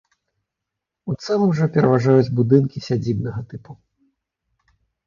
У цэлым жа пераважаюць будынкі сядзібнага тыпу.